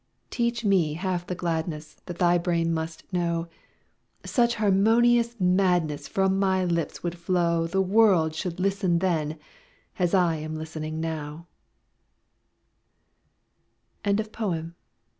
Teach me half the gladness That thy brain must know, Such harmonious madness From my lips would flow, The world should listen then, as I am listening now, _Percy Bysshe Shelley.